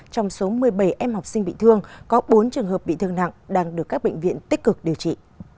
trong số một mươi bảy em học sinh bị thương có bốn trường hợp bị thương nặng đang được các bệnh viện tích cực điều trị